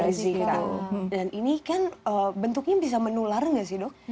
dan ini kan bentuknya bisa menular gak sih dok